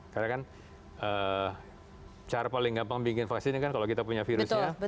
karena kan cara paling gampang bikin vaksinnya kan kalau kita punya virusnya